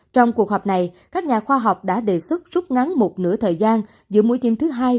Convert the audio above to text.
trong cuộc họp này các nhà khoa học đã đề xuất rút ngắn một nửa thời gian giữa mũi thiêm thứ hai